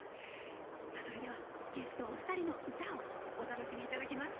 それではゲストお二人の歌をお楽しみいただきます。